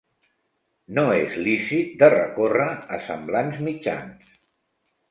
No és lícit de recórrer a semblants mitjans.